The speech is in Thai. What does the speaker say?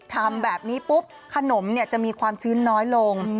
ทำแบบนี้ปุ๊บขนมจะมีความชื้นน้อยลง